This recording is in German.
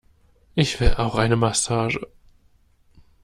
Ich will auch eine Massage!